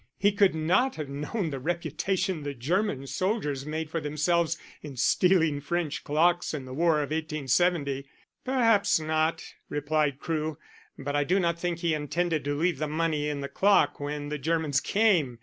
"He could not have known of the reputation the German soldiers made for themselves in stealing French clocks in the war of 1870." "Perhaps not," replied Crewe. "But I do not think he intended to leave the money in the clock when the Germans came.